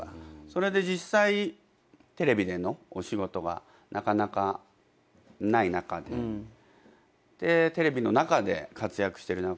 それで実際テレビでのお仕事がなかなかない中でテレビの中で活躍してる中居君のことは見てたし。